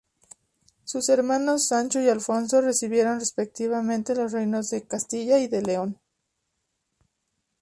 Sus hermanos Sancho y Alfonso recibieron respectivamente los reinos de Castilla y de León.